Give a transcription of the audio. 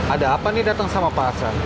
ada apa nih datang sama pak hasan